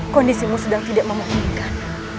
kondisimu sedang tidak memungkinkan